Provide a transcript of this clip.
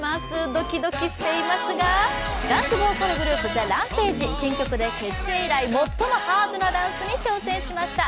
ドキドキしていますが、ダンスボーカルグループ、ＴＨＥＲＡＭＰＡＧＥ、新曲で結成以来最もハードなダンスに挑戦しました。